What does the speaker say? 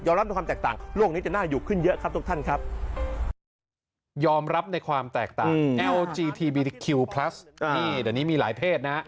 ยอมรับในความแตกต่างโลกนี้จะน่าอยู่ขึ้นเยอะครับทุกท่านครับ